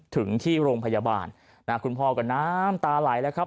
ถึงที่โรงพยาบาลนะคุณพ่อก็น้ำตาไหลแล้วครับ